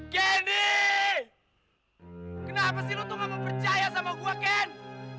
candy kenapa sih lo tuh nggak mempercaya sama gue candy